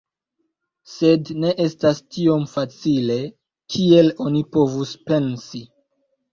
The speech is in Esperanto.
Sed ne estas tiom facile kiel oni povus pensi.